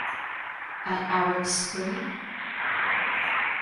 An Arab Spring?